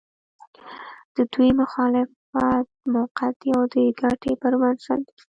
د دوی مخالفت موقعتي او د ګټې پر بنسټ دی.